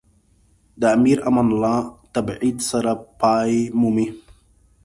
د امیر امان الله له تبعید سره پای مومي.